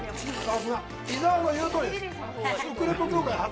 伊沢の言うとおりです。